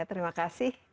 terima kasih mbak desy